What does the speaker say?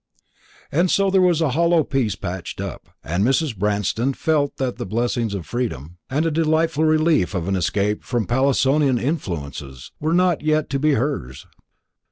And so there was a hollow peace patched up, and Mrs. Branston felt that the blessings of freedom, the delightful relief of an escape from Pallinsonian influences, were not yet to be hers.